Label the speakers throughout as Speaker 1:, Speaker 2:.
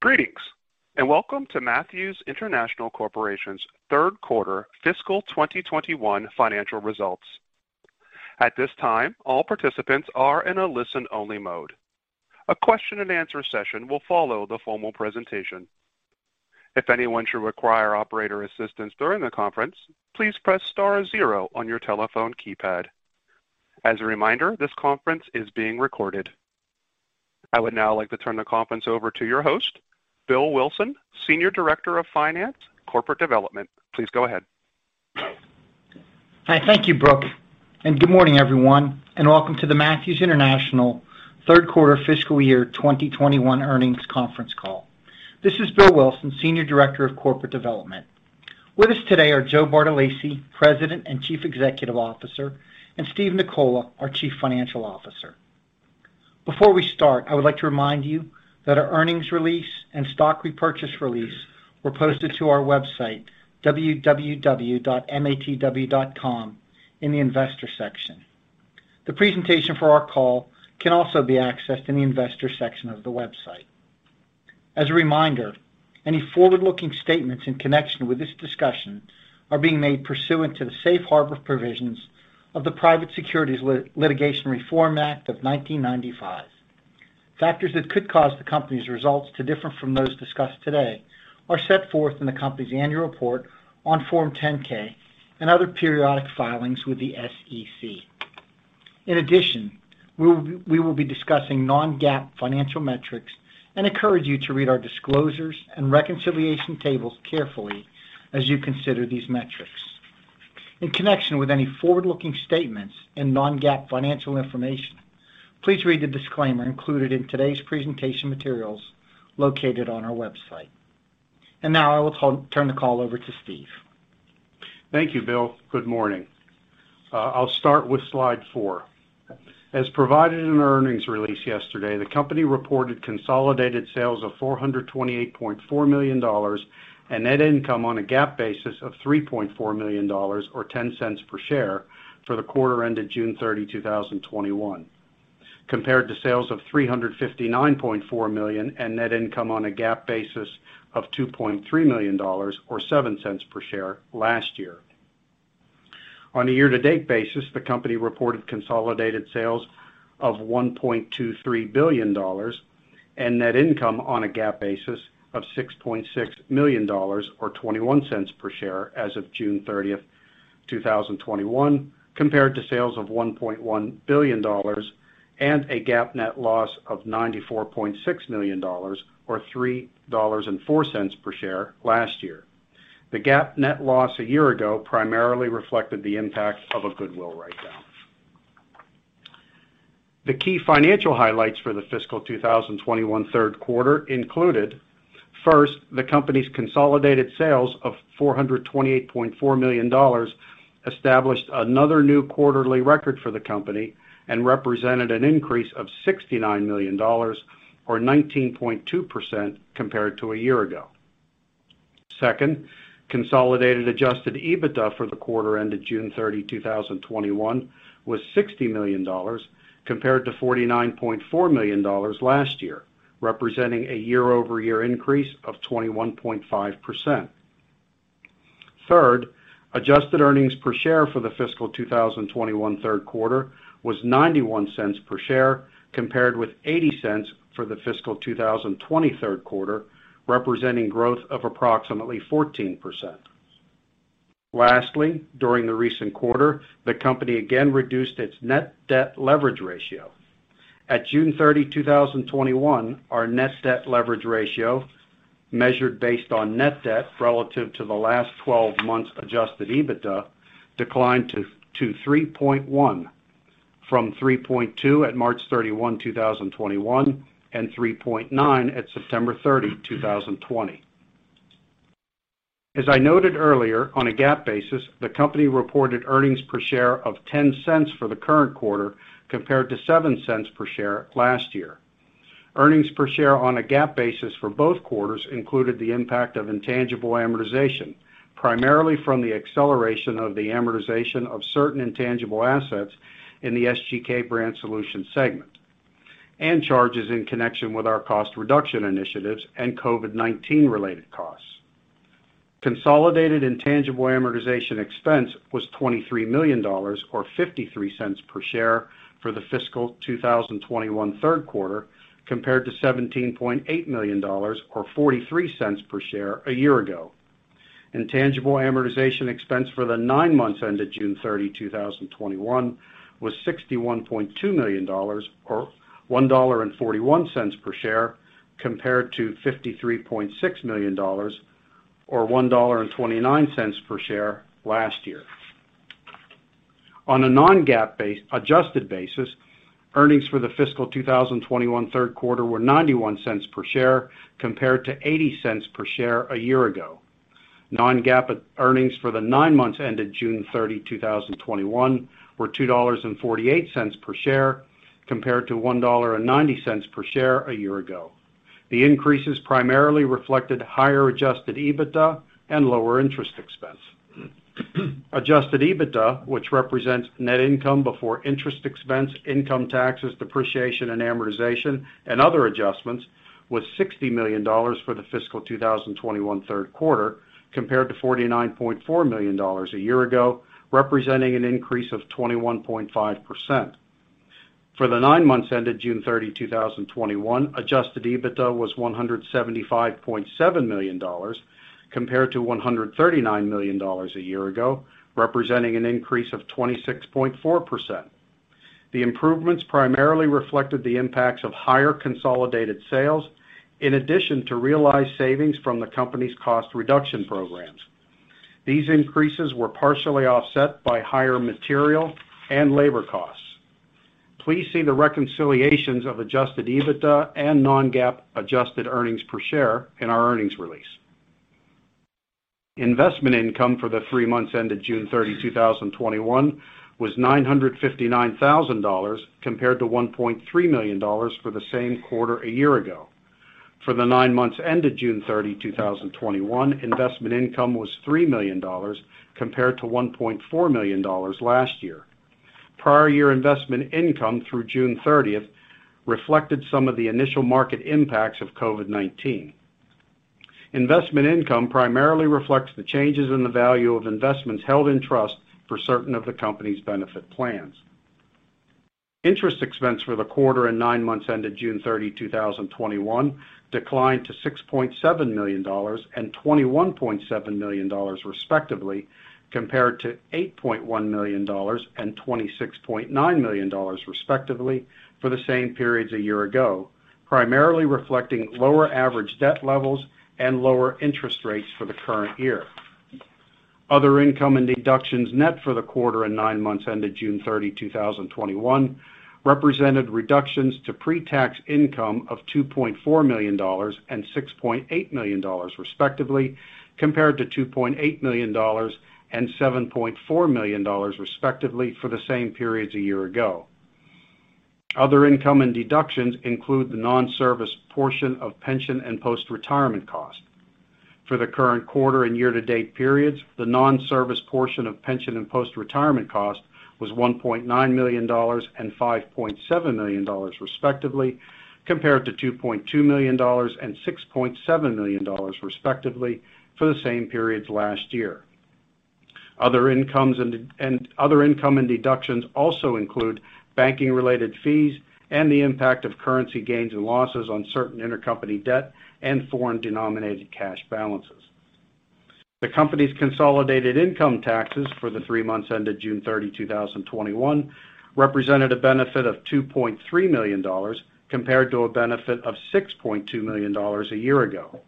Speaker 1: Greetings, welcome to Matthews International Corporation's third quarter fiscal 2021 financial results. At this time, all participants are in a listen-only mode. A question-and-answer session will follow the formal presentation. If anyone should require operator assistance during the conference, please press star zero on your telephone keypad. As a reminder, this conference is being recorded. I would now like to turn the conference over to your host, Bill Wilson, Senior Director of Finance, Corporate Development. Please go ahead.
Speaker 2: Hi. Thank you, Brooke, and good morning, everyone, and welcome to the Matthews International third quarter fiscal year 2021 earnings conference call. This is Bill Wilson, Senior Director of Corporate Development. With us today are Joe Bartolacci, President and Chief Executive Officer, and Steve Nicola, our Chief Financial Officer. Before we start, I would like to remind you that our earnings release and stock repurchase release were posted to our website, www.matw.com, in the Investors section. The presentation for our call can also be accessed in the Investors section of the website. As a reminder, any forward-looking statements in connection with this discussion are being made pursuant to the safe harbor provisions of the Private Securities Litigation Reform Act of 1995. Factors that could cause the company's results to differ from those discussed today are set forth in the company's annual report on Form 10-K and other periodic filings with the SEC. In addition, we will be discussing non-GAAP financial metrics and encourage you to read our disclosures and reconciliation tables carefully as you consider these metrics. In connection with any forward-looking statements and non-GAAP financial information, please read the disclaimer included in today's presentation materials located on our website. Now I will turn the call over to Steve.
Speaker 3: Thank you, Bill. Good morning. I'll start with slide four. As provided in our earnings release yesterday, the company reported consolidated sales of $428.4 million and net income on a GAAP basis of $3.4 million, or $0.10 per share, for the quarter ended June 30, 2021, compared to sales of $359.4 million and net income on a GAAP basis of $2.3 million, or $0.07 per share, last year. On a year-to-date basis, the company reported consolidated sales of $1.23 billion and net income on a GAAP basis of $6.6 million, or $0.21 per share as of June 30, 2021, compared to sales of $1.1 billion and a GAAP net loss of $94.6 million, or $3.04 per share, last year. The GAAP net loss a year ago primarily reflected the impact of a goodwill writedown. The key financial highlights for the fiscal 2021 third quarter included, first, the company's consolidated sales of $428.4 million established another new quarterly record for the company and represented an increase of $69 million or 19.2% compared to a year ago. Second, consolidated adjusted EBITDA for the quarter ended June 30, 2021, was $60 million, compared to $49.4 million last year, representing a year-over-year increase of 21.5%. Third, adjusted earnings per share for the fiscal 2021 third quarter was $0.91 per share, compared with $0.80 for the fiscal 2020 third quarter, representing growth of approximately 14%. Lastly, during the recent quarter, the company again reduced its net debt leverage ratio. At June 30, 2021, our net debt leverage ratio, measured based on net debt relative to the last 12 months adjusted EBITDA, declined to 3.1 from 3.2 at March 31, 2021, and 3.9 at September 30, 2020. As I noted earlier, on a GAAP basis, the company reported earnings per share of $0.10 for the current quarter, compared to $0.07 per share last year. Earnings per share on a GAAP basis for both quarters included the impact of intangible amortization, primarily from the acceleration of the amortization of certain intangible assets in the SGK Brand Solutions segment, and charges in connection with our cost reduction initiatives and COVID-19-related costs. Consolidated intangible amortization expense was $23 million, or $0.53 per share, for the fiscal 2021 third quarter, compared to $17.8 million or $0.43 per share a year ago. Intangible amortization expense for the nine months ended June 30, 2021, was $61.2 million, or $1.41 per share, compared to $53.6 million or $1.29 per share last year. On a non-GAAP adjusted basis, earnings for the fiscal 2021 third quarter were $0.91 per share, compared to $0.80 per share a year ago. Non-GAAP earnings for the nine months ended June 30, 2021, were $2.48 per share, compared to $1.90 per share a year ago. The increases primarily reflected higher adjusted EBITDA and lower interest expense. Adjusted EBITDA, which represents net income before interest expense, income taxes, depreciation and amortization, and other adjustments, was $60 million for the fiscal 2021 third quarter, compared to $49.4 million a year ago, representing an increase of 21.5%. For the nine months ended June 30, 2021, adjusted EBITDA was $175.7 million, compared to $139 million a year ago, representing an increase of 26.4%. The improvements primarily reflected the impacts of higher consolidated sales in addition to realized savings from the company's cost reduction programs. These increases were partially offset by higher material and labor costs. Please see the reconciliations of adjusted EBITDA and non-GAAP adjusted earnings per share in our earnings release. Investment income for the three months ended June 30, 2021, was $959,000, compared to $1.3 million for the same quarter a year ago. For the nine months ended June 30, 2021, investment income was $3 million, compared to $1.4 million last year. Prior year investment income through June 30th reflected some of the initial market impacts of COVID-19. Investment income primarily reflects the changes in the value of investments held in trust for certain of the company's benefit plans. Interest expense for the quarter and nine months ended June 30, 2021, declined to $6.7 million and $21.7 million respectively, compared to $8.1 million and $26.9 million, respectively for the same periods a year ago, primarily reflecting lower average debt levels and lower interest rates for the current year. Other income and deductions net for the quarter and nine months ended June 30, 2021, represented reductions to pre-tax income of $2.4 million and $6.8 million, respectively, compared to $2.8 million and $7.4 million, respectively for the same periods a year ago. Other income and deductions include the non-service portion of pension and post-retirement cost. For the current quarter and year-to-date periods, the non-service portion of pension and post-retirement cost was $1.9 million and $5.7 million, respectively, compared to $2.2 million and $6.7 million, respectively for the same periods last year. Other income and deductions also include banking-related fees and the impact of currency gains and losses on certain intercompany debt and foreign-denominated cash balances. The company's consolidated income taxes for the three months ended June 30, 2021, represented a benefit of $2.3 million, compared to a benefit of $6.2 million a year ago.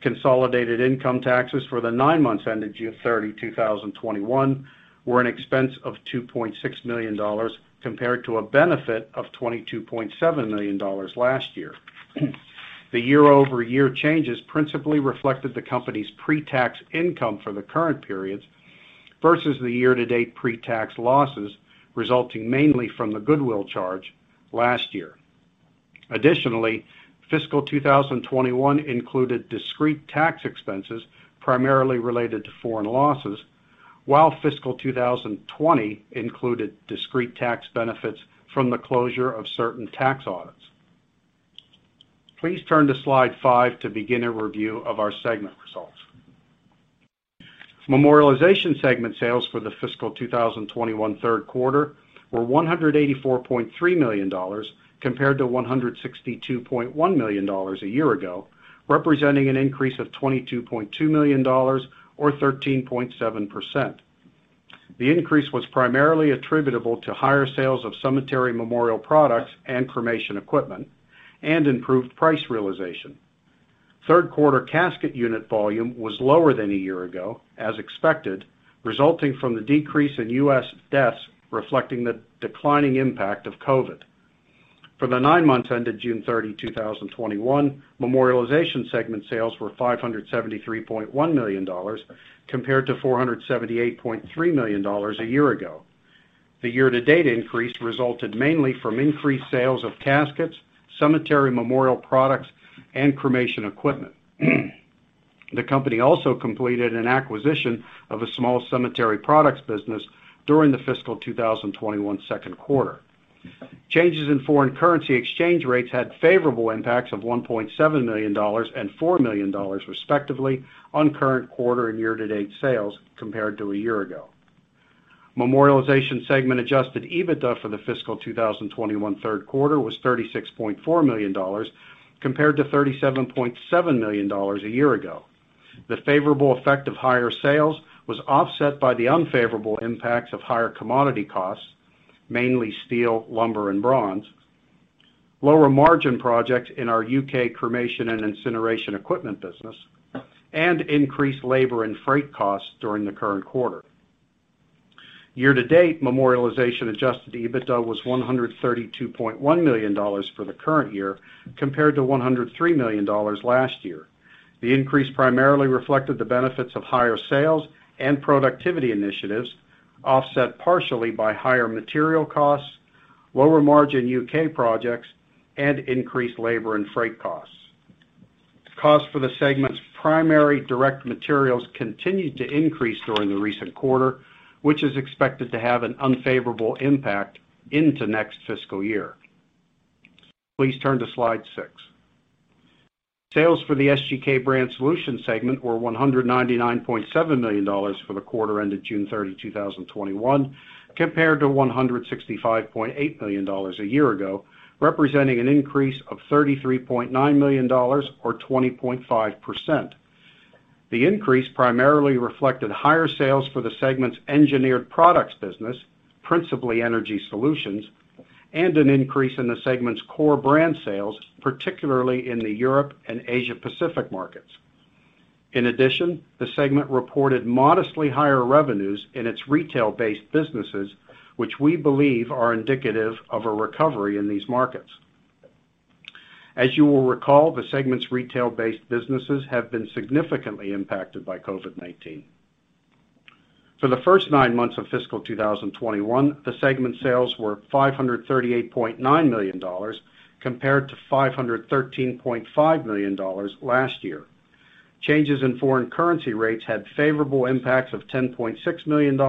Speaker 3: Consolidated income taxes for the nine months ended June 30, 2021, were an expense of $2.6 million compared to a benefit of $22.7 million last year. The year-over-year changes principally reflected the company's pre-tax income for the current periods versus the year-to-date pre-tax losses, resulting mainly from the goodwill charge last year. Additionally, fiscal 2021 included discrete tax expenses primarily related to foreign losses, while fiscal 2020 included discrete tax benefits from the closure of certain tax audits. Please turn to slide five to begin a review of our segment results. Memorialization segment sales for the fiscal 2021 third quarter were $184.3 million compared to $162.1 million a year ago, representing an increase of $22.2 million or 13.7%. The increase was primarily attributable to higher sales of cemetery memorial products and cremation equipment and improved price realization. Third quarter casket unit volume was lower than a year ago, as expected, resulting from the decrease in U.S. deaths, reflecting the declining impact of COVID. For the nine months ended June 30, 2021, Memorialization segment sales were $573.1 million compared to $478.3 million a year ago. The year-to-date increase resulted mainly from increased sales of caskets, cemetery memorial products, and cremation equipment. The company also completed an acquisition of a small cemetery products business during the fiscal 2021 second quarter. Changes in foreign currency exchange rates had favorable impacts of $1.7 million and $4 million respectively on current quarter and year-to-date sales compared to a year ago. Memorialization segment adjusted EBITDA for the fiscal 2021 third quarter was $36.4 million compared to $37.7 million a year ago. The favorable effect of higher sales was offset by the unfavorable impacts of higher commodity costs, mainly steel, lumber, and bronze, lower margin projects in our U.K. cremation and incineration equipment business, and increased labor and freight costs during the current quarter. Year-to-date, Memorialization adjusted EBITDA was $132.1 million for the current year, compared to $103 million last year. The increase primarily reflected the benefits of higher sales and productivity initiatives, offset partially by higher material costs, lower margin U.K. projects, and increased labor and freight costs. Cost for the segment's primary direct materials continued to increase during the recent quarter, which is expected to have an unfavorable impact into next fiscal year. Please turn to slide six. Sales for the SGK Brand Solutions segment were $199.7 million for the quarter ended June 30, 2021, compared to $165.8 million a year ago, representing an increase of $33.9 million or 20.5%. The increase primarily reflected higher sales for the segment's engineered products business, principally energy solutions, and an increase in the segment's core brand sales, particularly in the Europe and Asia Pacific markets. In addition, the segment reported modestly higher revenues in its retail-based businesses, which we believe are indicative of a recovery in these markets. As you will recall, the segment's retail-based businesses have been significantly impacted by COVID-19. For the first nine months of fiscal 2021, the segment's sales were $538.9 million compared to $513.5 million last year. Changes in foreign currency rates had favorable impacts of $10.6 million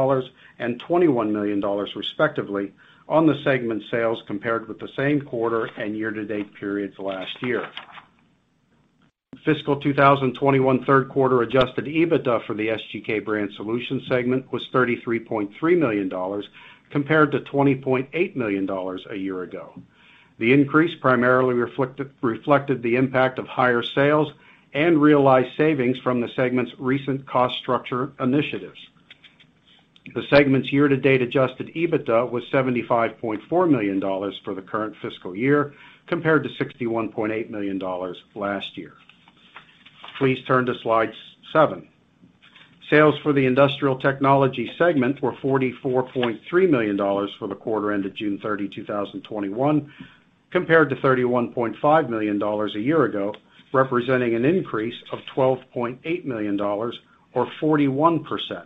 Speaker 3: and $21 million, respectively, on the segment's sales compared with the same quarter and year-to-date periods last year. Fiscal 2021 third quarter adjusted EBITDA for the SGK Brand Solutions segment was $33.3 million compared to $20.8 million a year ago. The increase primarily reflected the impact of higher sales and realized savings from the segment's recent cost structure initiatives. The segment's year-to-date adjusted EBITDA was $75.4 million for the current fiscal year, compared to $61.8 million last year. Please turn to slide seven. Sales for the Industrial Technologies segment were $44.3 million for the quarter ended June 30, 2021, compared to $31.5 million a year ago, representing an increase of $12.8 million or 41%.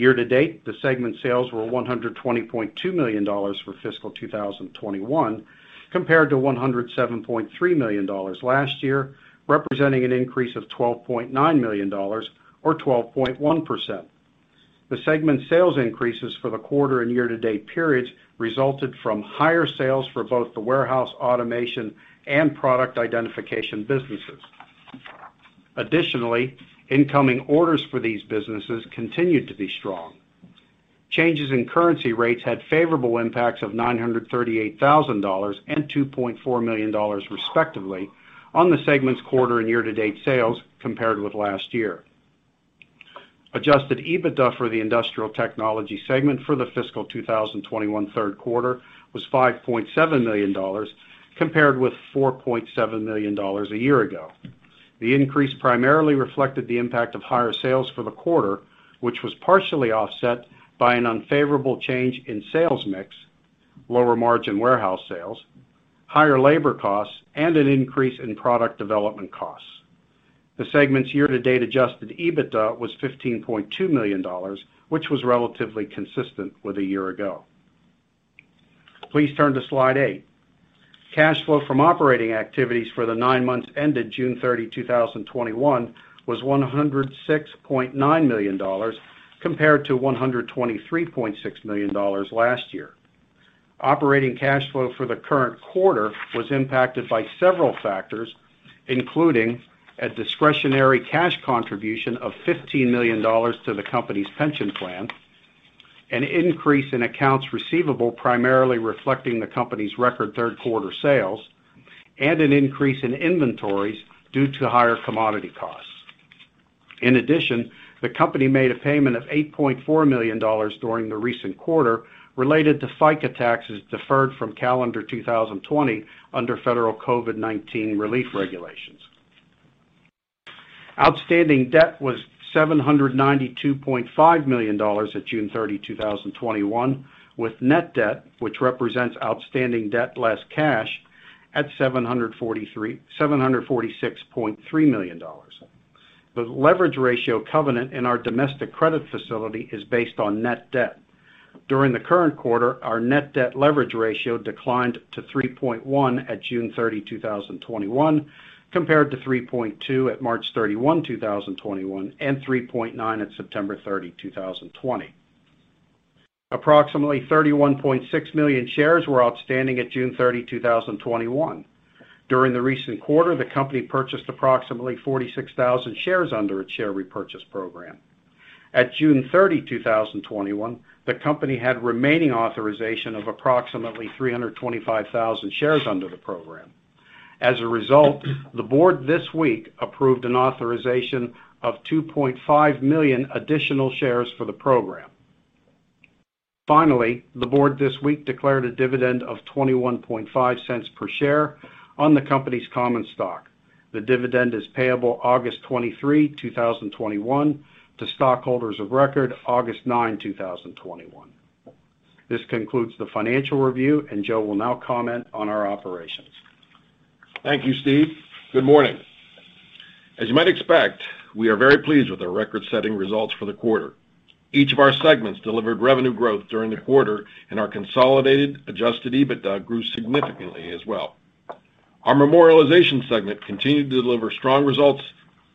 Speaker 3: Year-to-date, the segment's sales were $120.2 million for fiscal 2021, compared to $107.3 million last year, representing an increase of $12.9 million or 12.1%. The segment sales increases for the quarter and year-to-date periods resulted from higher sales for both the Warehouse Automation and Product Identification businesses. Additionally, incoming orders for these businesses continued to be strong. Changes in currency rates had favorable impacts of $938,000 and $2.4 million, respectively, on the segment's quarter and year-to-date sales compared with last year. Adjusted EBITDA for the Industrial Technologies segment for the fiscal 2021 third quarter was $5.7 million compared with $4.7 million a year ago. The increase primarily reflected the impact of higher sales for the quarter, which was partially offset by an unfavorable change in sales mix, lower margin warehouse sales, higher labor costs, and an increase in product development costs. The segment's year-to-date adjusted EBITDA was $15.2 million, which was relatively consistent with a year ago. Please turn to slide eight. Cash flow from operating activities for the nine months ended June 30, 2021, was $106.9 million, compared to $123.6 million last year. Operating cash flow for the current quarter was impacted by several factors, including a discretionary cash contribution of $15 million to the company's pension plan, an increase in accounts receivable primarily reflecting the company's record third quarter sales, and an increase in inventories due to higher commodity costs. In addition, the company made a payment of $8.4 million during the recent quarter related to FICA taxes deferred from calendar 2020 under federal COVID-19 relief regulations. Outstanding debt was $792.5 million at June 30, 2021, with net debt, which represents outstanding debt less cash at $746.3 million. The leverage ratio covenant in our domestic credit facility is based on net debt. During the current quarter, our net debt leverage ratio declined to 3.1 at June 30, 2021, compared to 3.2 at March 31, 2021, and 3.9 at September 30, 2020. Approximately 31.6 million shares were outstanding at June 30, 2021. During the recent quarter, the company purchased approximately 46,000 shares under its share repurchase program. At June 30, 2021, the company had remaining authorization of approximately 325,000 shares under the program. As a result, the board this week approved an authorization of 2.5 million additional shares for the program. Finally, the board this week declared a dividend of $0.215 per share on the company's common stock. The dividend is payable August 23, 2021, to stockholders of record August 9, 2021. This concludes the financial review. Joe will now comment on our operations.
Speaker 4: Thank you, Steve. Good morning. As you might expect, we are very pleased with our record-setting results for the quarter. Each of our segments delivered revenue growth during the quarter. Our consolidated adjusted EBITDA grew significantly as well. Our Memorialization segment continued to deliver strong results,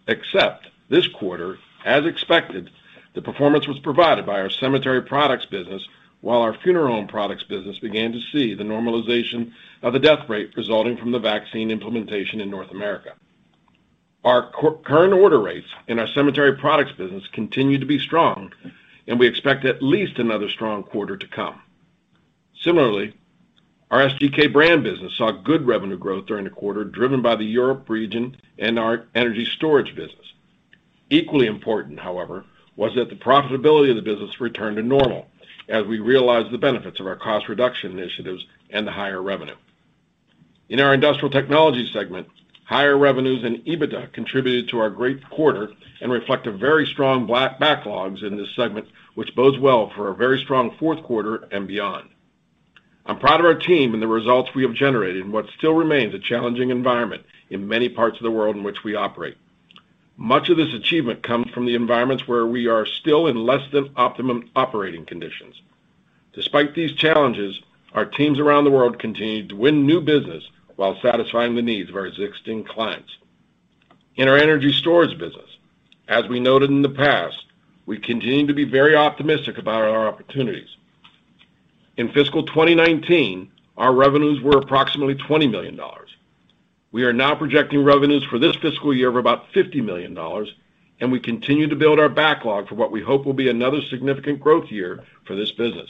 Speaker 4: except this quarter, as expected, the performance was provided by our cemetery products business, while our funeral home products business began to see the normalization of the death rate resulting from the vaccine implementation in North America. Our current order rates in our cemetery products business continue to be strong. We expect at least another strong quarter to come. Similarly, our SGK Brand business saw good revenue growth during the quarter, driven by the Europe region and our energy storage business. Equally important, however, was that the profitability of the business returned to normal as we realized the benefits of our cost reduction initiatives and the higher revenue. In our Industrial Technologies segment, higher revenues and EBITDA contributed to our great quarter and reflect a very strong backlogs in this segment, which bodes well for a very strong fourth quarter and beyond. I'm proud of our team and the results we have generated in what still remains a challenging environment in many parts of the world in which we operate. Much of this achievement comes from the environments where we are still in less than optimum operating conditions. Despite these challenges, our teams around the world continued to win new business while satisfying the needs of our existing clients. In our energy storage business, as we noted in the past, we continue to be very optimistic about our opportunities. In fiscal 2019, our revenues were approximately $20 million. We are now projecting revenues for this fiscal year of about $50 million, and we continue to build our backlog for what we hope will be another significant growth year for this business.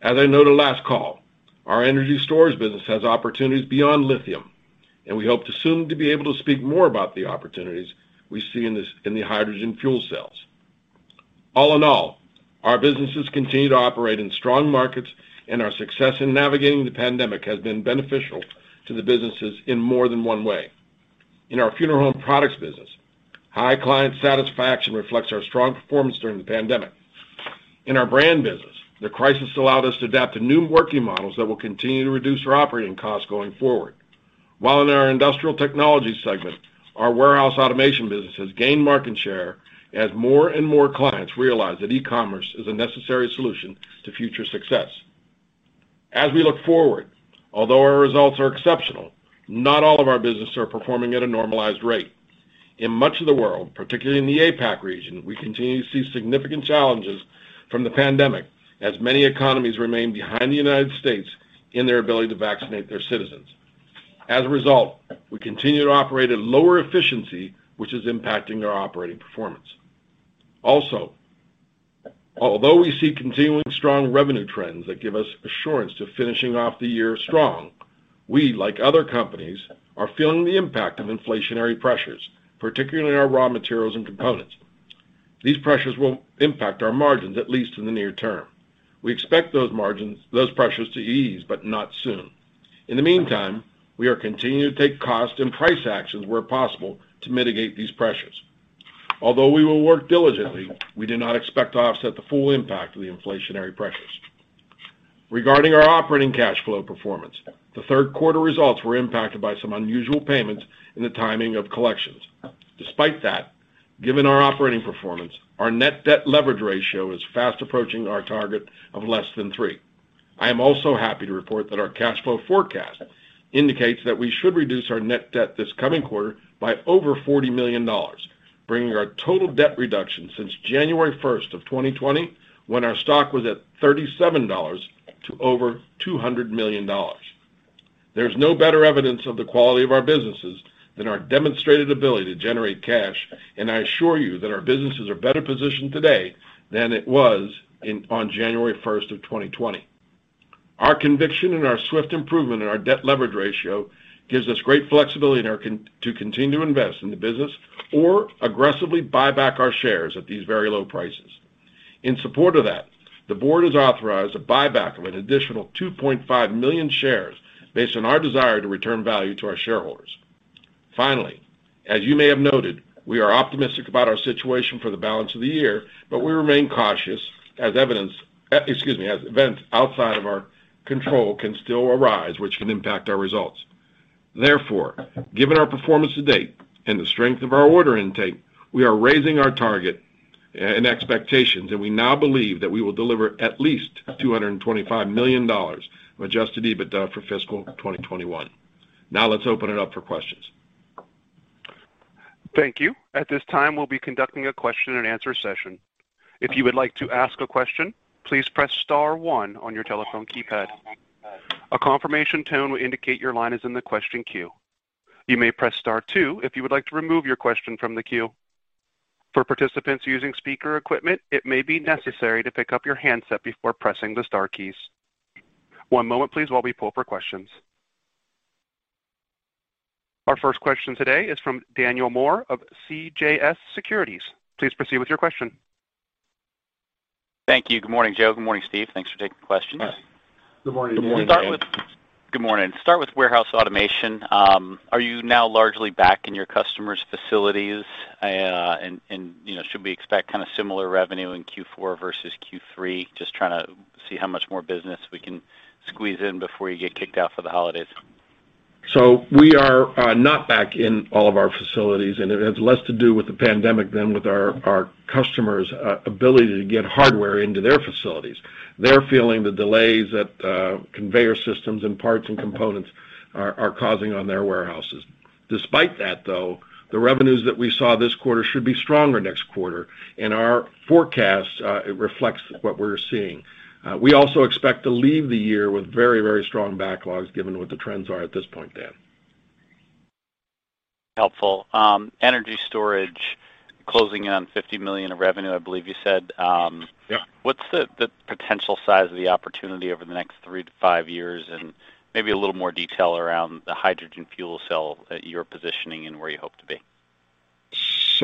Speaker 4: As I noted last call, our energy storage business has opportunities beyond lithium, and we hope to soon to be able to speak more about the opportunities we see in the hydrogen fuel cells. All in all, our businesses continue to operate in strong markets, and our success in navigating the pandemic has been beneficial to the businesses in more than one way. In our Memorialization business, high client satisfaction reflects our strong performance during the pandemic. In our SGK Brand Solutions business, the crisis allowed us to adapt to new working models that will continue to reduce our operating costs going forward. While in our Industrial Technologies segment, our warehouse automation business has gained market share as more and more clients realize that e-commerce is a necessary solution to future success. As we look forward, although our results are exceptional, not all of our business are performing at a normalized rate. In much of the world, particularly in the APAC region, we continue to see significant challenges from the pandemic, as many economies remain behind the United States in their ability to vaccinate their citizens. As a result, we continue to operate at lower efficiency, which is impacting our operating performance. Also, although we see continuing strong revenue trends that give us assurance to finishing off the year strong, we, like other companies, are feeling the impact of inflationary pressures, particularly in our raw materials and components. These pressures will impact our margins, at least in the near term. We expect those pressures to ease, but not soon. In the meantime, we are continuing to take cost and price actions where possible to mitigate these pressures. Although we will work diligently, we do not expect to offset the full impact of the inflationary pressures. Regarding our operating cash flow performance, the third quarter results were impacted by some unusual payments in the timing of collections. Despite that, given our operating performance, our net debt leverage ratio is fast approaching our target of less than three. I am also happy to report that our cash flow forecast indicates that we should reduce our net debt this coming quarter by over $40 million, bringing our total debt reduction since January 1st of 2020, when our stock was at $37, to over $200 million. There's no better evidence of the quality of our businesses than our demonstrated ability to generate cash, and I assure you that our businesses are better positioned today than it was on January 1st of 2020. Our conviction and our swift improvement in our debt leverage ratio gives us great flexibility to continue to invest in the business or aggressively buy back our shares at these very low prices. In support of that, the board has authorized a buyback of an additional 2.5 million shares based on our desire to return value to our shareholders. Finally, as you may have noted, we are optimistic about our situation for the balance of the year, but we remain cautious as events outside of our control can still arise, which can impact our results. Given our performance to date and the strength of our order intake, we are raising our target and expectations, and we now believe that we will deliver at least $225 million of adjusted EBITDA for fiscal 2021. Let's open it up for questions.
Speaker 1: Thank you. At this time, we'll be conducting a question-and-answer session. If you would like to ask a question, please press star one on your telephone keypad. A confirmation tone will indicate your line is in the question queue. You may press star two if you would like to remove your question from the queue. For participants using speaker equipment, it may be necessary to pick up your handset before pressing the star keys. One moment, please, while we poll for questions. Our first question today is from Daniel Moore of CJS Securities. Please proceed with your question.
Speaker 5: Thank you. Good morning, Joe. Good morning, Steve. Thanks for taking the questions.
Speaker 4: Good morning.
Speaker 5: Good morning. Start with warehouse automation. Are you now largely back in your customers' facilities? Should we expect kind of similar revenue in Q4 versus Q3? Just trying to see how much more business we can squeeze in before you get kicked out for the holidays.
Speaker 4: We are not back in all of our facilities, and it has less to do with the pandemic than with our customers' ability to get hardware into their facilities. They're feeling the delays that conveyor systems and parts and components are causing on their warehouses. Despite that, though, the revenues that we saw this quarter should be stronger next quarter, and our forecast reflects what we're seeing. We also expect to leave the year with very strong backlogs, given what the trends are at this point, Dan.
Speaker 5: Helpful. Energy storage closing in on $50 million of revenue, I believe you said.
Speaker 4: Yeah.
Speaker 5: What's the potential size of the opportunity over the next three to five years, and maybe a little more detail around the hydrogen fuel cell that you're positioning and where you hope to be?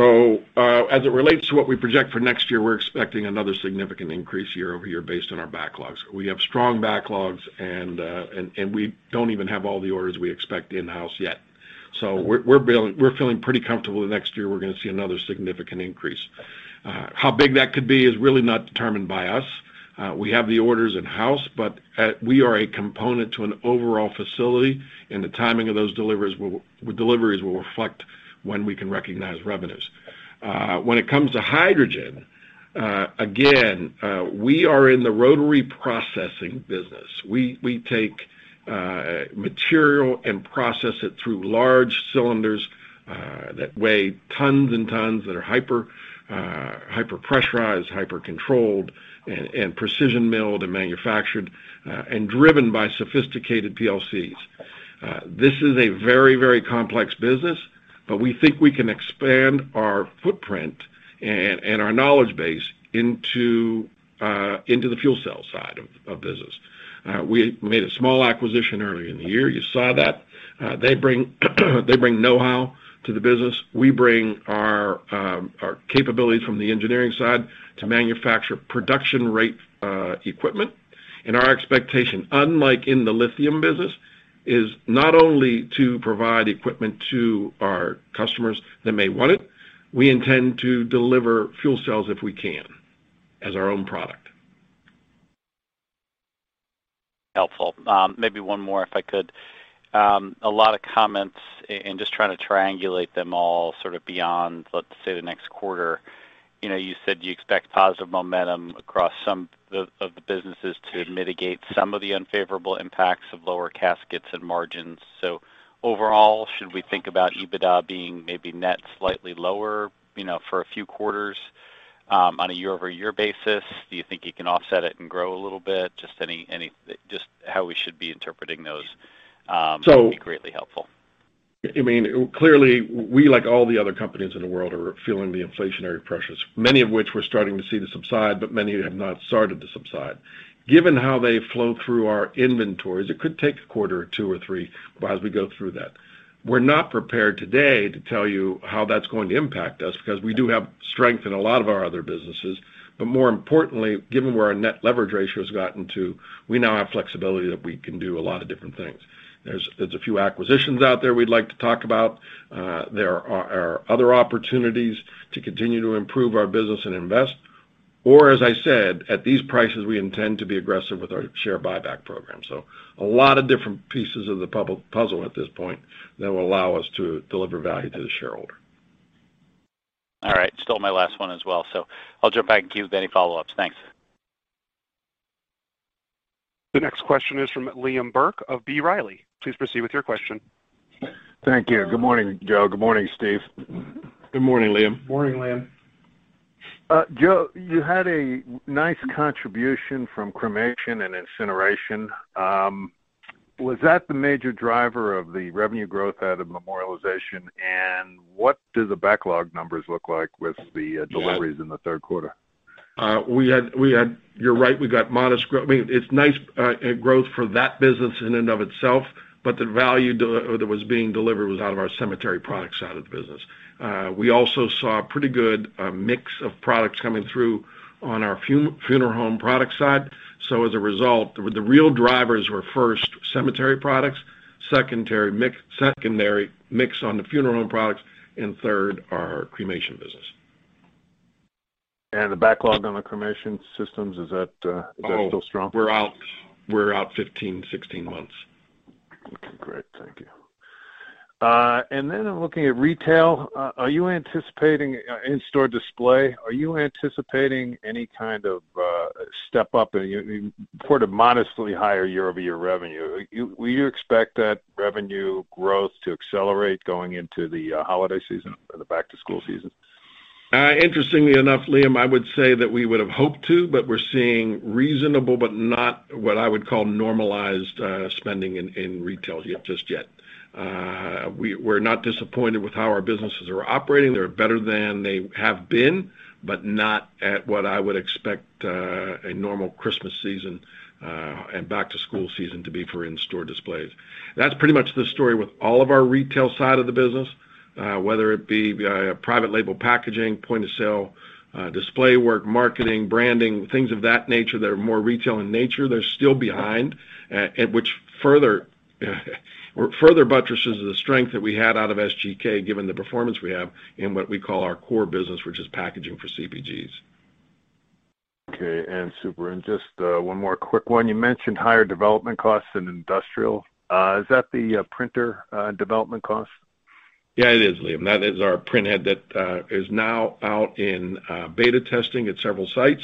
Speaker 4: As it relates to what we project for next year, we're expecting another significant increase year-over-year based on our backlogs. We have strong backlogs and we don't even have all the orders we expect in-house yet. We're feeling pretty comfortable that next year we're going to see another significant increase. How big that could be is really not determined by us. We have the orders in-house, we are a component to an overall facility, and the timing of those deliveries will reflect when we can recognize revenues. When it comes to hydrogen, again, we are in the rotary processing business. We take material and process it through large cylinders that weigh tons and tons, that are hyper-pressurized, hyper-controlled, and precision milled and manufactured, and driven by sophisticated PLCs. This is a very complex business, but we think we can expand our footprint and our knowledge base into the fuel cell side of business. We made a small acquisition earlier in the year. You saw that. They bring know-how to the business. We bring our capabilities from the engineering side to manufacture production rate equipment. Our expectation, unlike in the lithium business, is not only to provide equipment to our customers that may want it, we intend to deliver fuel cells, if we can, as our own product.
Speaker 5: Helpful. Maybe one more, if I could. A lot of comments, just trying to triangulate them all sort of beyond, let's say, the next quarter. You said you expect positive momentum across some of the businesses to mitigate some of the unfavorable impacts of lower caskets and margins. Overall, should we think about EBITDA being maybe net slightly lower for a few quarters on a year-over-year basis? Do you think you can offset it and grow a little bit? Just how we should be interpreting those would be greatly helpful.
Speaker 4: Clearly, we, like all the other companies in the world, are feeling the inflationary pressures. Many of which we're starting to see the subside, but many have not started to subside. Given how they flow through our inventories, it could take a quarter or two or three as we go through that. We're not prepared today to tell you how that's going to impact us, because we do have strength in a lot of our other businesses. More importantly, given where our net debt leverage ratio has gotten to, we now have flexibility that we can do a lot of different things. There's a few acquisitions out there we'd like to talk about. There are other opportunities to continue to improve our business and invest. As I said, at these prices, we intend to be aggressive with our share buyback program. A lot of different pieces of the puzzle at this point that will allow us to deliver value to the shareholder.
Speaker 5: All right. Still my last one as well, so I'll jump back and queue with any follow-ups. Thanks.
Speaker 1: The next question is from Liam Burke of B. Riley. Please proceed with your question.
Speaker 6: Thank you. Good morning, Joe. Good morning, Steve.
Speaker 4: Good morning, Liam.
Speaker 3: Morning, Liam.
Speaker 6: Joe, you had a nice contribution from cremation and incineration. Was that the major driver of the revenue growth out of Memorialization, and what do the backlog numbers look like with the deliveries in the third quarter?
Speaker 4: You're right. It's nice growth for that business in and of itself, but the value that was being delivered was out of our cemetery product side of the business. We also saw a pretty good mix of products coming through on our funeral home product side. As a result, the real drivers were first cemetery products, secondary mix on the funeral home products, and third, our cremation business.
Speaker 6: The backlog on the cremation systems, is that still strong?
Speaker 4: We're out 15, 16 months.
Speaker 6: Okay, great. Thank you. I'm looking at retail. Are you anticipating in-store display? Are you anticipating any kind of step up in your quarter modestly higher year-over-year revenue? Will you expect that revenue growth to accelerate going into the holiday season or the back-to-school season?
Speaker 4: Interestingly enough, Liam, I would say that we would've hoped to, but we're seeing reasonable but not what I would call normalized spending in retail just yet. We're not disappointed with how our businesses are operating. They're better than they have been, but not at what I would expect a normal Christmas season and back to school season to be for in-store displays. That's pretty much the story with all of our retail side of the business, whether it be private label packaging, point of sale, display work, marketing, branding, things of that nature that are more retail in nature. They're still behind, which further buttresses the strength that we had out of SGK, given the performance we have in what we call our core business, which is packaging for CPGs.
Speaker 6: Okay. Super. Just one more quick one. You mentioned higher development costs in Industrial. Is that the printhead development cost?
Speaker 4: Yeah, it is, Liam. That is our printhead that is now out in beta testing at several sites.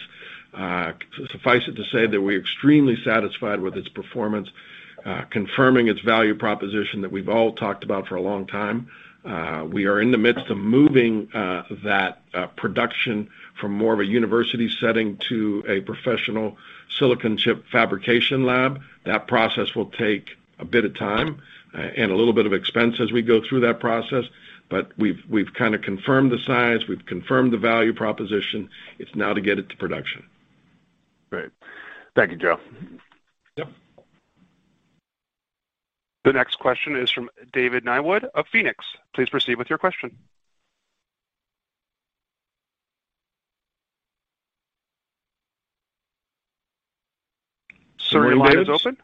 Speaker 4: Suffice it to say that we're extremely satisfied with its performance, confirming its value proposition that we've all talked about for a long time. We are in the midst of moving that production from more of a university setting to a professional silicon chip fabrication lab. That process will take a bit of time and a little bit of expense as we go through that process. We've kind of confirmed the science; we've confirmed the value proposition. It's now to get it to production.
Speaker 6: Great. Thank you, Joe.
Speaker 4: Yep.
Speaker 1: The next question is from David Niewood of Phoenix. Please proceed with your question.
Speaker 4: Sorry, David.
Speaker 1: Your line is open.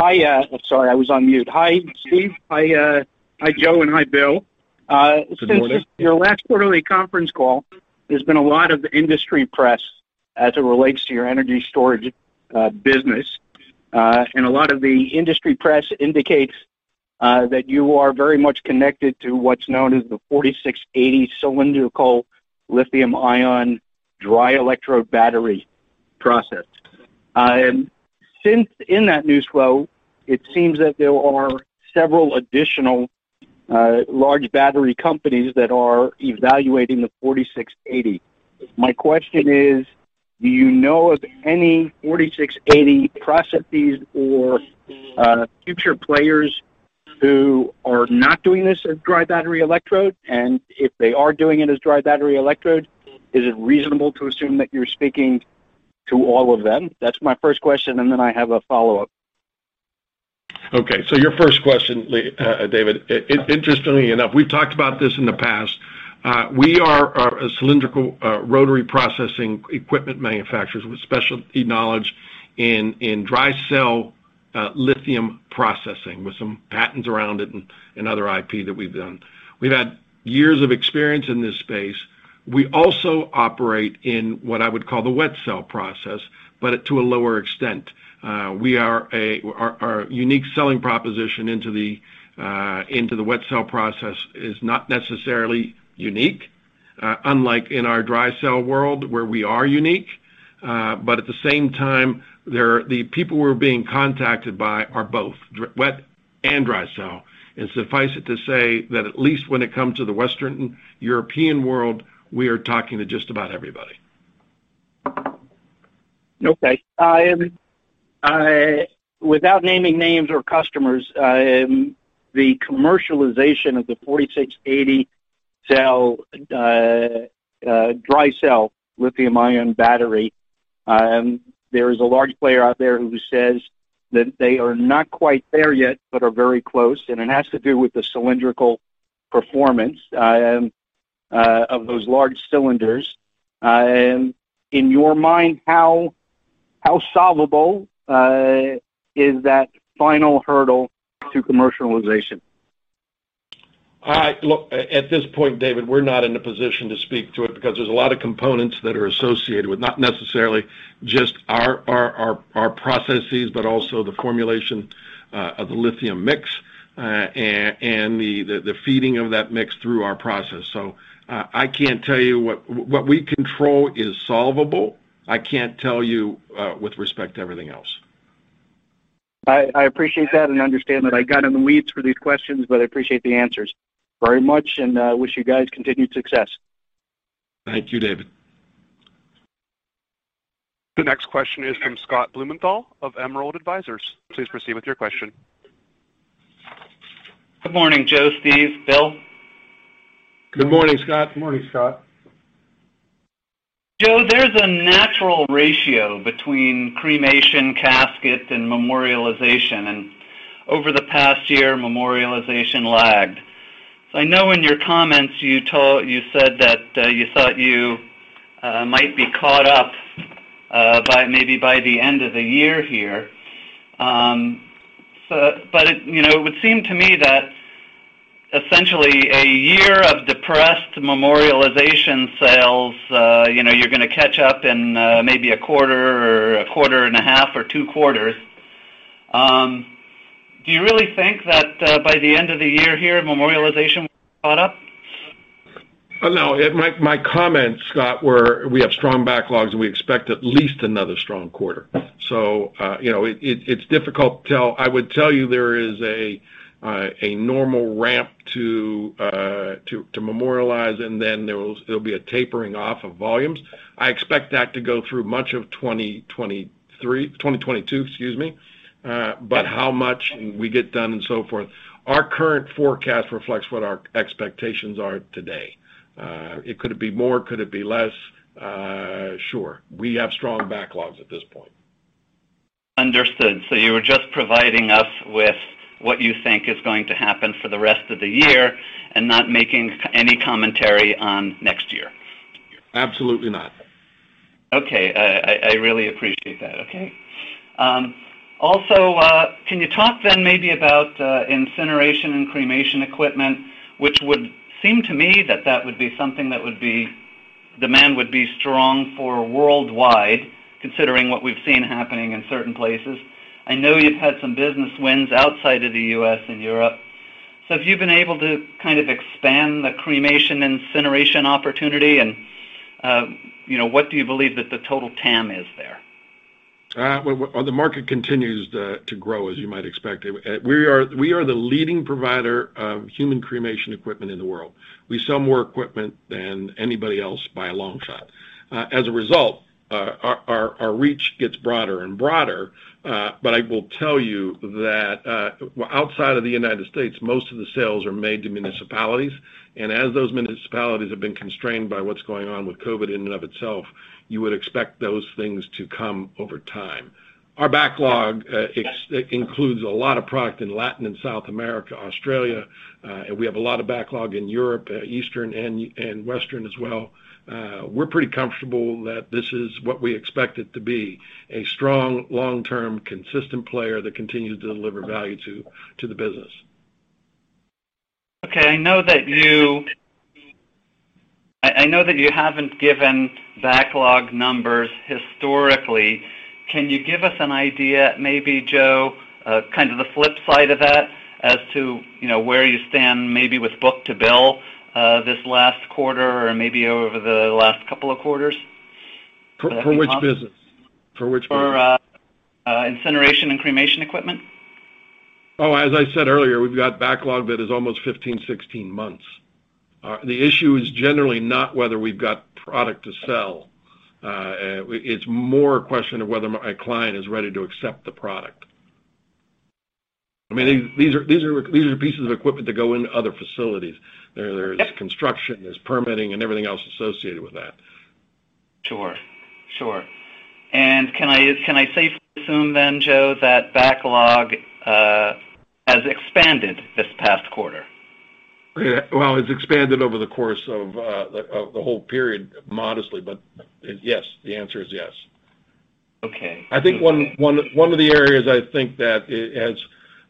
Speaker 7: Hi. Sorry, I was on mute. Hi, Steve. Hi, Joe, and hi, Bill.
Speaker 4: Good morning.
Speaker 7: Since your last quarterly conference call, there's been a lot of industry press as it relates to your energy storage business. A lot of the industry press indicates that you are very much connected to what's known as the 4680 cylindrical lithium-ion dry electrode battery process. Since in that news flow, it seems that there are several additional large battery companies that are evaluating the 4680. My question is, do you know of any 4680 processes or future players who are not doing this as dry battery electrode? If they are doing it as dry battery electrode, is it reasonable to assume that you're speaking to all of them? That's my first question, and then I have a follow-up.
Speaker 4: Your first question, David, interestingly enough, we've talked about this in the past. We are a cylindrical rotary processing equipment manufacturer with specialty knowledge in dry cell lithium processing, with some patents around it and other IP that we've done. We've had years of experience in this space. We also operate in what I would call the wet cell process, but to a lower extent. Our unique selling proposition into the wet cell process is not necessarily unique, unlike in our dry cell world where we are unique. At the same time, the people we're being contacted by are both wet and dry cell. Suffice it to say that at least when it comes to the Western European world, we are talking to just about everybody.
Speaker 7: Okay. Without naming names or customers, the commercialization of the 4680 dry-cell lithium-ion battery, there is a large player out there who says that they are not quite there yet, but are very close, and it has to do with the cylindrical performance of those large cylinders. In your mind, how solvable is that final hurdle to commercialization?
Speaker 4: Look, at this point, David, we're not in a position to speak to it because there's a lot of components that are associated with not necessarily just our processes, but also the formulation of the lithium mix, and the feeding of that mix through our process. I can't tell you what we control is solvable. I can't tell you with respect to everything else.
Speaker 7: I appreciate that and understand that I got in the weeds for these questions, but I appreciate the answers very much and wish you guys continued success.
Speaker 4: Thank you, David.
Speaker 1: The next question is from Scott Blumenthal of Emerald Advisers. Please proceed with your question.
Speaker 8: Good morning, Joe, Steve, Bill.
Speaker 4: Good morning, Scott.
Speaker 3: Good morning, Scott.
Speaker 8: Joe, there's a natural ratio between cremation, casket, and Memorialization, and over the past year, Memorialization lagged. I know in your comments, you said that you thought you might be caught up maybe by the end of the year here. It would seem to me that essentially a year of depressed Memorialization sales, you're going to catch up in maybe a quarter, or a quarter and a half, or two quarters. Do you really think that by the end of the year here, Memorialization will be caught up?
Speaker 4: No. My comments, Scott, were we have strong backlogs and we expect at least another strong quarter. It's difficult to tell. I would tell you there is a normal ramp to Memorialization, and then there'll be a tapering off of volumes. I expect that to go through much of 2023, 2022, excuse me. How much we get done and so forth, our current forecast reflects what our expectations are today. Could it be more? Could it be less? Sure. We have strong backlogs at this point.
Speaker 8: Understood. You were just providing us with what you think is going to happen for the rest of the year and not making any commentary on next year.
Speaker 4: Absolutely not.
Speaker 8: Okay. I really appreciate that. Okay. Can you talk then maybe about incineration and cremation equipment, which would seem to me that would be something that demand would be strong for worldwide, considering what we've seen happening in certain places? I know you've had some business wins outside of the U.S. and Europe. Have you been able to kind of expand the cremation incineration opportunity and what do you believe that the total TAM is there?
Speaker 4: Well, the market continues to grow, as you might expect. We are the leading provider of human cremation equipment in the world. We sell more equipment than anybody else by a long shot. As a result, our reach gets broader and broader. I will tell you that, outside of the U.S., most of the sales are made to municipalities. As those municipalities have been constrained by what's going on with COVID in and of itself, you would expect those things to come over time. Our backlog includes a lot of product in Latin and South America, Australia. We have a lot of backlog in Europe, Eastern and Western as well. We're pretty comfortable that this is what we expect it to be, a strong, long-term, consistent player that continues to deliver value to the business.
Speaker 8: Okay. I know that you haven't given backlog numbers historically. Can you give us an idea maybe, Joe, kind of the flip side of that as to where you stand maybe with book to bill, this last quarter or maybe over the last couple of quarters?
Speaker 4: For which business?
Speaker 8: For incineration and cremation equipment.
Speaker 4: Oh, as I said earlier, we've got backlog that is almost 15, 16 months. The issue is generally not whether we've got product to sell. It's more a question of whether a client is ready to accept the product. These are pieces of equipment that go into other facilities. There's construction, there's permitting and everything else associated with that.
Speaker 8: Sure. Can I safely assume then, Joe, that backlog has expanded this past quarter?
Speaker 4: Well, it's expanded over the course of the whole period modestly, but yes. The answer is yes.
Speaker 8: Okay.
Speaker 4: One of the areas I think that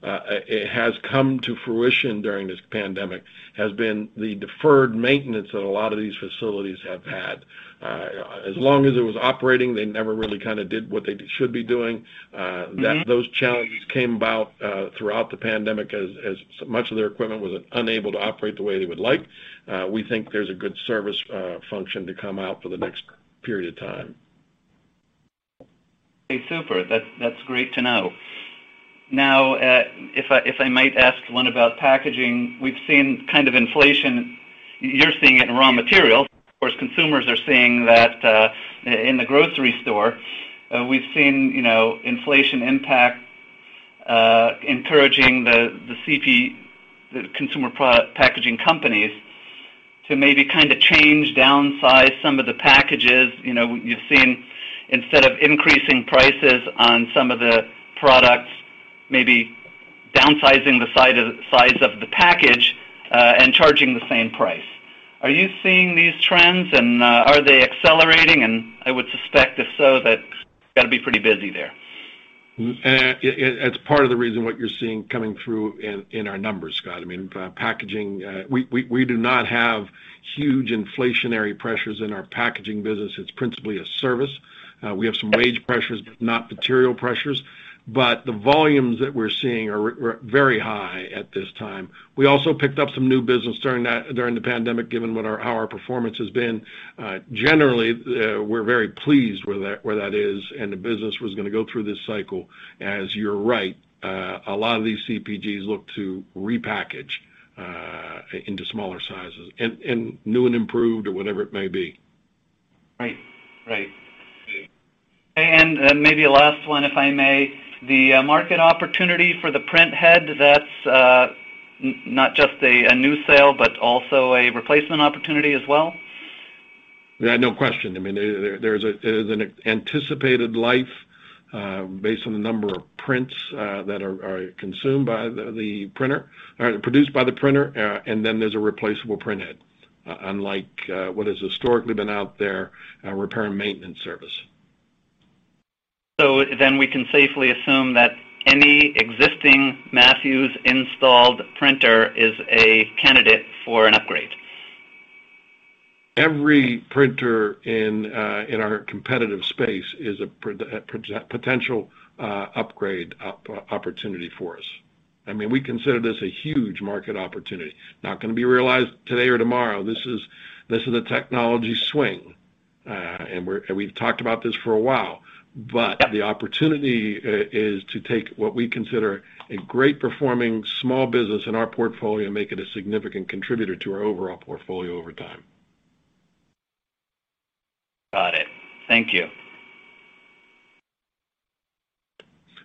Speaker 4: it has come to fruition during this pandemic has been the deferred maintenance that a lot of these facilities have had. As long as it was operating, they never really kind of did what they should be doing. Those challenges came about throughout the pandemic as much of their equipment was unable to operate the way they would like. We think there's a good service function to come out for the next period of time.
Speaker 8: Super. That's great to know. If I might ask one about packaging. We've seen kind of inflation. You're seeing it in raw materials. Of course, consumers are seeing that in the grocery store. We've seen inflation impact, encouraging the consumer product packaging companies to maybe kind of change, downsize some of the packages. You've seen instead of increasing prices on some of the products, maybe downsizing the size of the package, and charging the same price. Are you seeing these trends and are they accelerating? I would suspect, if so, that's got to be pretty busy there.
Speaker 4: It's part of the reason what you're seeing coming through in our numbers, Scott. We do not have huge inflationary pressures in our packaging business. It's principally a service. We have some wage pressures, but not material pressures. The volumes that we're seeing are very high at this time. We also picked up some new business during the pandemic, given how our performance has been. Generally, we're very pleased where that is, and the business was going to go through this cycle, as you're right, a lot of these CPGs look to repackage into smaller sizes, and new and improved or whatever it may be.
Speaker 8: Right. Maybe a last one, if I may. The market opportunity for the printhead, that's not just a new sale, but also a replacement opportunity as well?
Speaker 4: Yeah, no question. There's an anticipated life based on the number of prints that are consumed by the printer or produced by the printer, and then there's a replaceable printhead. Unlike what has historically been out there, repair and maintenance service.
Speaker 8: We can safely assume that any existing Matthews installed printer is a candidate for an upgrade.
Speaker 4: Every printer in our competitive space is a potential upgrade opportunity for us. We consider this a huge market opportunity. Not going to be realized today or tomorrow. This is a technology swing. We've talked about this for a while. The opportunity is to take what we consider a great-performing small business in our portfolio and make it a significant contributor to our overall portfolio over time.
Speaker 8: Got it. Thank you.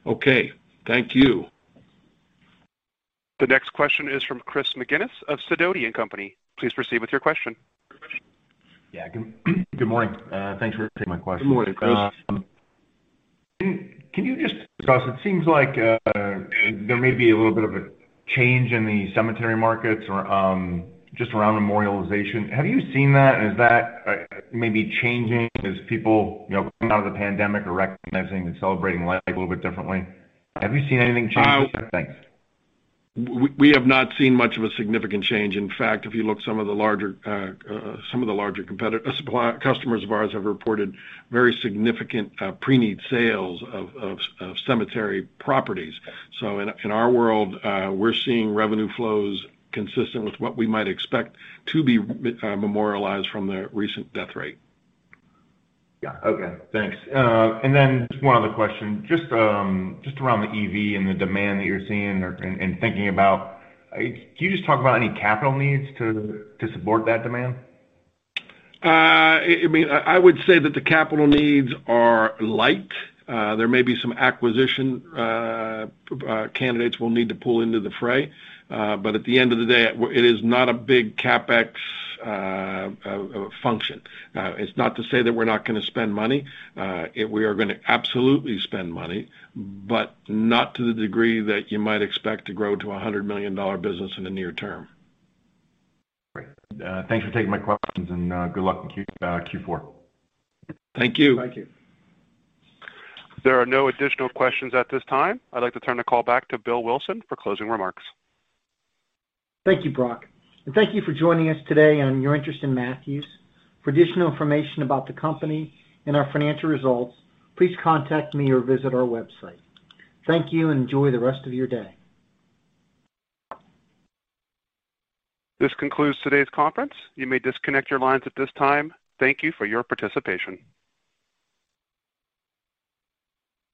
Speaker 4: Okay. Thank you.
Speaker 1: The next question is from Chris McGinnis of Sidoti & Company. Please proceed with your question.
Speaker 9: Yeah. Good morning. Thanks for taking my question.
Speaker 4: Good morning, Chris.
Speaker 9: Can you just discuss, it seems like there may be a little bit of a change in the cemetery markets or just around Memorialization. Have you seen that? Is that maybe changing as people coming out of the pandemic are recognizing and celebrating life a little bit differently? Have you seen anything change? Thanks.
Speaker 4: We have not seen much of a significant change. In fact, if you look, some of the larger customers of ours have reported very significant pre-need sales of cemetery properties. In our world, we're seeing revenue flows consistent with what we might expect to be memorialized from the recent death rate.
Speaker 9: Yeah. Okay, thanks. Just one other question, just around the EV and the demand that you're seeing or thinking about, can you just talk about any capital needs to support that demand?
Speaker 4: I would say that the capital needs are light. There may be some acquisition candidates we'll need to pull into the fray. At the end of the day, it is not a big CapEx function. It's not to say that we're not going to spend money. We are going to absolutely spend money, but not to the degree that you might expect to grow to a $100 million business in the near term.
Speaker 9: Great. Thanks for taking my questions, and good luck in Q4.
Speaker 4: Thank you.
Speaker 1: There are no additional questions at this time. I'd like to turn the call back to Bill Wilson for closing remarks.
Speaker 2: Thank you, Brooke. Thank you for joining us today and your interest in Matthews. For additional information about the company and our financial results, please contact me or visit our website. Thank you, and enjoy the rest of your day.
Speaker 1: This concludes today's conference. You may disconnect your lines at this time. Thank you for your participation.